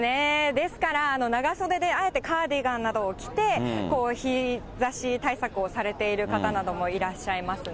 ですから、長袖であえてカーディガンなどを着て、日ざし対策をされている方などもいらっしゃいますね。